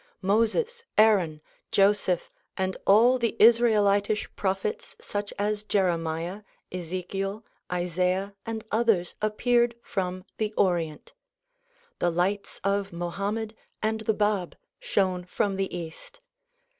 IMoses, Aaron, Joseph and all the Israelitish prophets such as Jeremiah, Ezekiel, Isaiah and others appeared from the Orient. The lights of jNIohammed and the Bab shone from the east.